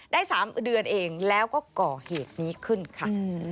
ได้๓เดือนเองแล้วก็ก่อเหตุนี้ขึ้นค่ะ